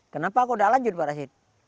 kenapa aku sudah lanjut pak rasio